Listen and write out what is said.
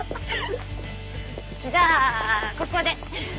じゃあここで。